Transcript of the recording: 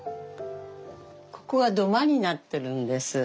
ここが土間になってるんです。